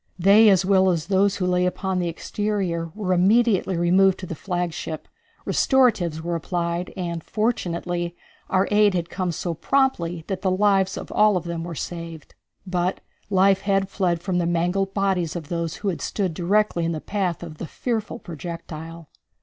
They, as well as those who lay upon the exterior, were immediately removed to the flagship, restoratives were applied, and, fortunately, our aid had come so promptly that the lives of all of them were saved. But life had fled from the mangled bodies of those who had stood directly in the path of the fearful projectile.